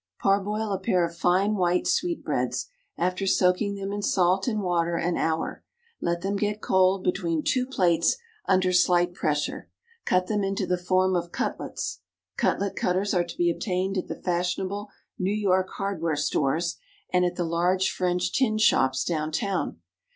_ Parboil a pair of fine white sweetbreads, after soaking them in salt and water an hour. Let them get cold between two plates under slight pressure. Cut them into the form of cutlets (cutlet cutters are to be obtained at the fashionable New York hardware stores, and at the large French tin shops down town).